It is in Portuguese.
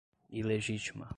ilegítima